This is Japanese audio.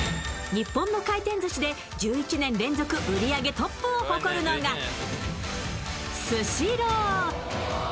日本の回転寿司で１１年連続売り上げトップを誇るのがスシロー。